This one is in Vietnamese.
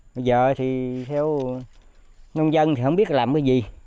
bây giờ thì theo nông dân thì không biết làm cái gì